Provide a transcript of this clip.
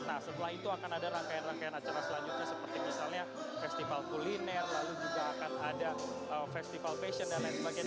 nah setelah itu akan ada rangkaian rangkaian acara selanjutnya seperti misalnya festival kuliner lalu juga akan ada festival fashion dan lain sebagainya